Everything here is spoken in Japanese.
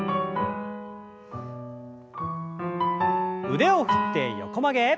腕を振って横曲げ。